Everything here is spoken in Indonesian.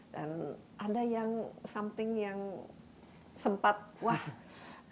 dan ada yang something yang sempat wah ini